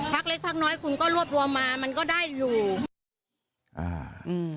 ภักดิ์เล็กภักดิ์น้อยคุณก็รวบรวมมามันก็ได้อยู่